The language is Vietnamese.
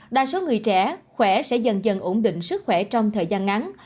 đa số người trẻ khỏe sẽ dần dần ổn định sức khỏe trong thời gian ngắn